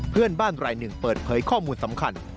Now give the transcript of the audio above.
เพื่อนบ้านรายหนึ่งเปิดเผยข้อมูลสำคัญ